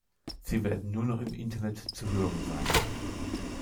Sie werden nur noch im Internet zu hören sein.